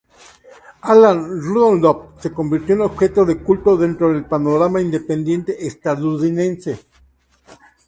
Alan Rudolph se convirtió en objeto de culto dentro del panorama independiente estadounidense.